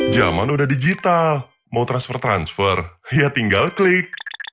zaman udah digital mau transfer transfer ya tinggal klik